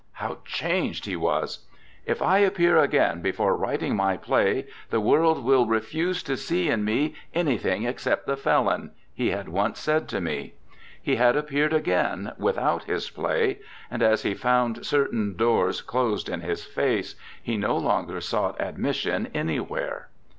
how changed he was. 'If I appear again before writing my play, the world will refuse to see in me anything except the felon,' he had once said to me. He had appeared again, without his play, and as he found certain doors closed in his face, he no longer sought admission anywhere.